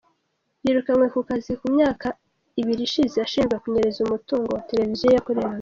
Yirukanywe ku kazi mu myaka ibiri ishize ashinjwa kunyereza umutungo wa Televiziyo yakoreraga.